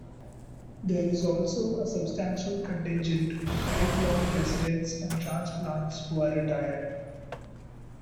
There is also a substantial contingent of lifelong residents and transplants who are retired.